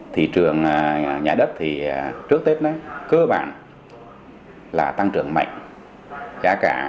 thị trường nhà đất trước tết cơ bản là tăng trưởng mạnh